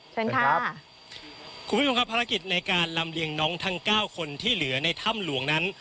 เชิญครับคุณผู้ชมครับภารกิจในการลำเลียงน้องทั้งเก้าคนที่เหลือในถ้ำหลวงนั้น